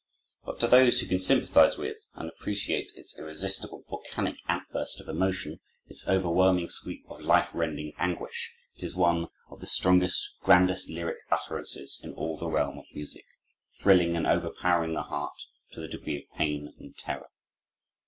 But to those who can sympathize with and appreciate its irresistible, volcanic outburst of emotion, its overwhelming sweep of life rending anguish, it is one of the strongest, grandest lyric utterances in all the realm of music, thrilling and overpowering the heart to the degree of pain and terror.